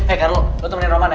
eh carlo gue temenin roman ya